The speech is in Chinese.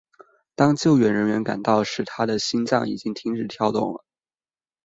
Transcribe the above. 当救援人员赶到时他的心脏已经停止跳动了。